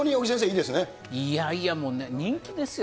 いやいやもうね、人気ですよ